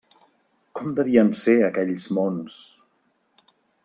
Com devien ser aquells mons?